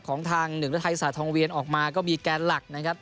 ของทางหนึ่งฤทัยศาสตทองเวียนออกมาก็มีแกนหลักนะครับ